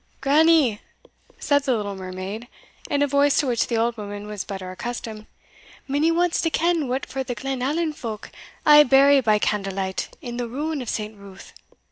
"Grannie," said the little mermaid, in a voice to which the old woman was better accustomed, "minnie wants to ken what for the Glenallan folk aye bury by candle light in the ruing of St. Ruth!"